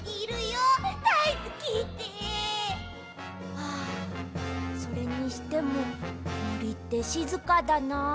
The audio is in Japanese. はあそれにしてももりってしずかだな。